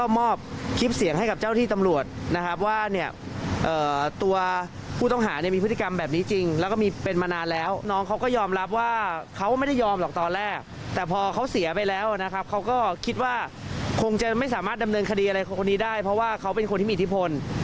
ไม่ได้อะไรของคนนี้ได้เพราะว่าเขาเป็นคนที่มีอิทธิพล